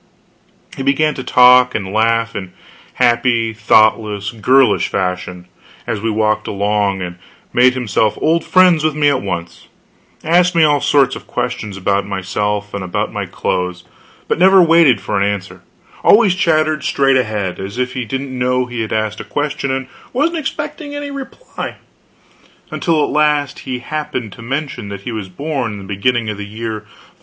He began to talk and laugh, in happy, thoughtless, boyish fashion, as we walked along, and made himself old friends with me at once; asked me all sorts of questions about myself and about my clothes, but never waited for an answer always chattered straight ahead, as if he didn't know he had asked a question and wasn't expecting any reply, until at last he happened to mention that he was born in the beginning of the year 513.